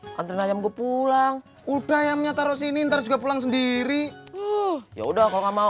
nganterin ayam gua pulang udah ayamnya taruh sini ntar juga pulang sendiri ya udah kalo nggak mau